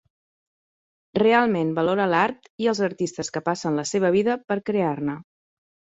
Realment valora l'art i els artistes que passen la seva vida per crear-ne.